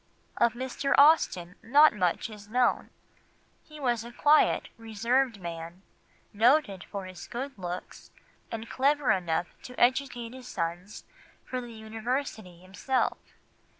Of Mr. Austen not much is known; he was a quiet, reserved man, noted for his good looks, and clever enough to educate his sons for the University himself.